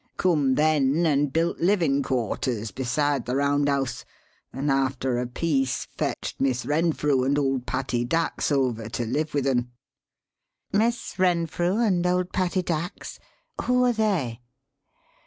Come then and built livin' quarters beside the Round House and, after a piece, fetched Miss Renfrew and old Patty Dax over to live with un." "Miss Renfrew and old Patty Dax? Who are they?"